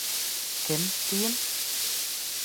Кем, тием!